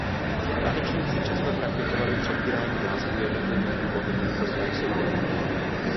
Tanečníci často praktikovali přebírání názvů jednotlivých pohybů pro své pseudonymy.